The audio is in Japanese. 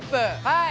はい。